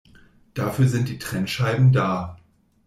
Dafür sind die Trennscheiben da.